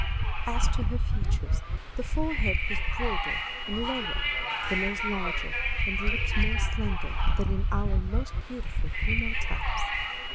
As to her features, the forehead was broader and lower, the nose larger, and the lips more slender, than in our most beautiful female types.